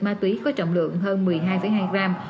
ma túy có trọng lượng hơn một mươi hai hai gram